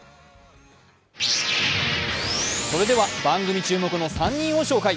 それでは番組注目の３人を紹介。